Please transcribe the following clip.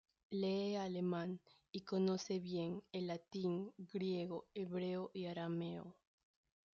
Lee alemán, y conoce bien el latín, griego, hebreo y arameo.